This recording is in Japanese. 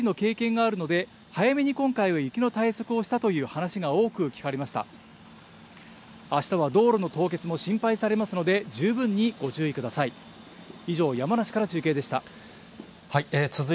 あしたは道路の凍結も心配されますので、十分にご注意ください。